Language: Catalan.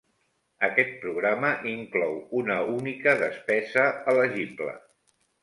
Aquest programa inclou una única despesa elegible.